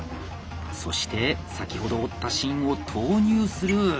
そして先ほど折った芯を投入する！